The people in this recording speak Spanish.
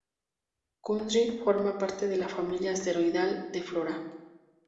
Kundry forma parte de la familia asteroidal de Flora.